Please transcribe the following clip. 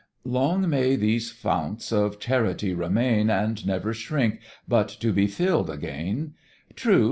"Long may these founts of Charity remain, And never shrink, but to be fill'd again; True!